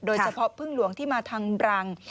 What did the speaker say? โดยเฉพาะพึ่งหลวงที่มาทางรัง